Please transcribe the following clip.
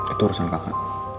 itu urusan kakak